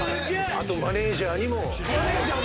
あとマネジャーにも。